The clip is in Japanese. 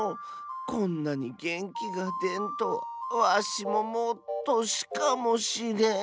こんなにげんきがでんとはわしももうとしかもしれん。